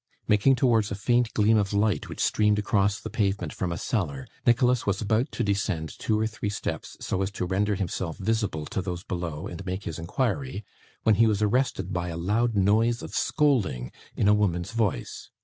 Making towards a faint gleam of light which streamed across the pavement from a cellar, Nicholas was about to descend two or three steps so as to render himself visible to those below and make his inquiry, when he was arrested by a loud noise of scolding in a woman's voice.